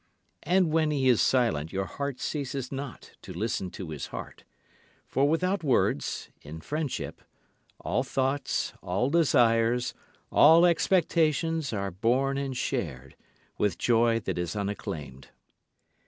And when he is silent your heart ceases not to listen to his heart; For without words, in friendship, all thoughts, all desires, all expectations are born and shared, with joy that is unacclaimed.